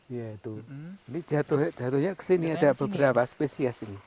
iya itu ini jatuhnya kesini ada beberapa spesies ini